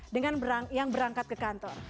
dengan yang berangkat ke kantor